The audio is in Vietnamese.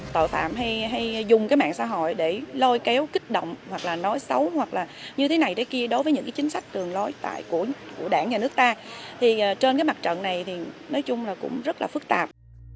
tội phạm hay dùng mạng xã hội để lôi kéo kích động nói xấu như thế này thế kia đối với những chính sách đường lối của đảng và nước ta trên mặt trận này nói chung là cũng rất phức tạp